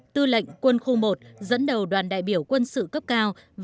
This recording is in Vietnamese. tư lệnh quân khu một dẫn đầu đoàn đại biểu quân sự cấp cao